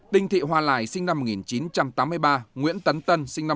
đinh thị hoa lài sinh năm một nghìn chín trăm tám mươi ba nguyễn tấn tân sinh năm một nghìn chín trăm tám